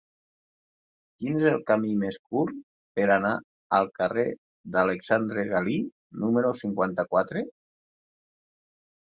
Quin és el camí més curt per anar al carrer d'Alexandre Galí número cinquanta-quatre?